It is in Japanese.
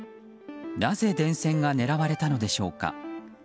なぜ、電線が狙われたのでしょうか？